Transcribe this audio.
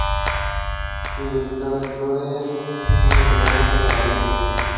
Nominees were taken from the Gardel Awards website.